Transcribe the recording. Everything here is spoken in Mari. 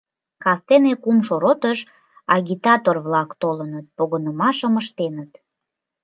Кастене кумшо ротыш агитатор-влак толыныт, погынымашым ыштеныт.